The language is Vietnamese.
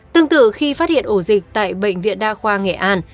tương tự khi phát hiện ổ dịch tại bệnh viện đa khoa nghệ an